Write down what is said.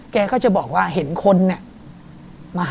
ครับผม